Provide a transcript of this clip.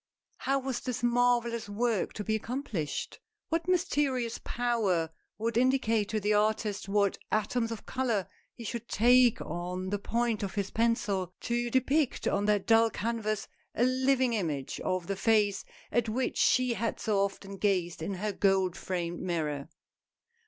How was this marvellous work to be accomplished ? What mysterious power would indicate to the artist what atoms of color he should take on the point of his pencil, to depict on that dull canvas, a living image of the face at which she had so often gazed in her gold framed mirror.